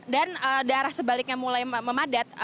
dan daerah sebaliknya mulai memadat